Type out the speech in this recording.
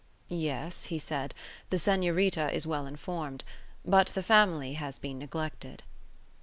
"Yes," he said; "the Senorita is well informed. But the family has been neglected."